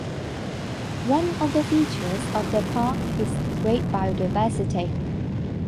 One of the features of the park is great biodiversity.